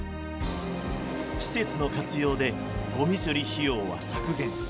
施設の活用でごみ処理費用は削減。